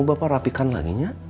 bapak rapikan laginya